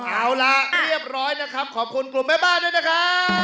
เอาละเรียบร้อยนะครับขอบคุณกลุ่มแม่บ้านด้วยนะครับ